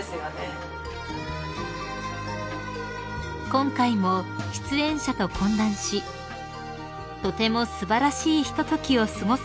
［今回も出演者と懇談し「とても素晴らしいひとときを過ごすことができました」